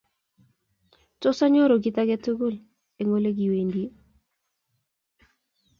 Tos kinyoru kit age tugul eng olekiwendi